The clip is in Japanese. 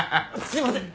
すいません！